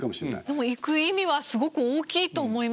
でも行く意味はすごく大きいと思います。